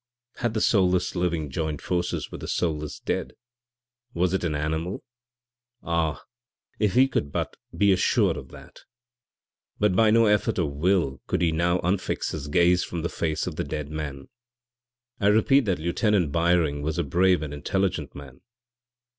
Had the soulless living joined forces with the soulless dead? was it an animal? Ah, if he could but be assured of that! But by no effort of will could he now unfix his gaze from the face of the dead man. I repeat that Lieutenant Byring was a brave and intelligent man.